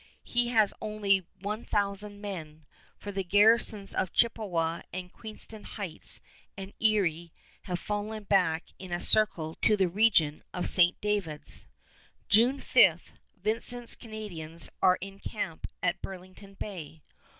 He has only one thousand men, for the garrisons of Chippewa and Queenston Heights and Erie have fallen back in a circle to the region of St. David's. June 5, Vincent's Canadians are in camp at Burlington Bay.